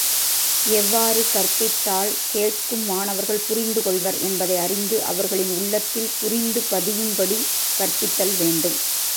எவ்வாறு கற்பித்தால், கேட்கும் மாணவர்கள் புரிந்து கொள்வர், என்பதை அறிந்து அவர்களின் உள்ளத்தில் புரிந்து பதியும்படி கற்பித்தல் வேண்டும்.